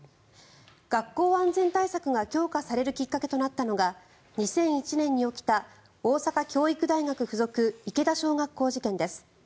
学校安全対策が強化されるきっかけとなったのが２００１年に起きた大阪教育大学附属池田小学校事件です。